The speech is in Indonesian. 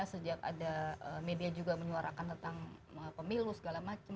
sejak ada media juga menyuarakan tentang pemilu segala macam